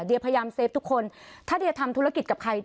เดี๋ยวพยายามเซฟทุกคนถ้าเดียทำธุรกิจกับใคร